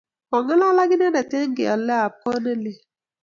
Kongalal ak inendet eng keale ap kot nelel